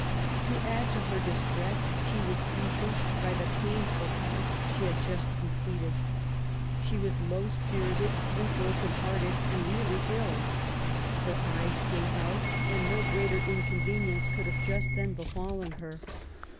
To add to her distress, she was weakened by the painful task she had just completed. She was low spirited and broken hearted^ and really ill. Her eyea gave out; and no greater inconvenience could have just then befallen her.